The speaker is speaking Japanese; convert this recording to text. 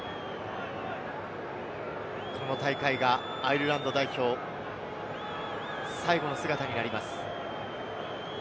この大会がアイルランド代表、最後の姿になります。